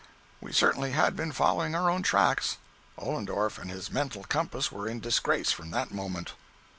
We certainly had been following our own tracks. Ollendorff and his "mental compass" were in disgrace from that moment.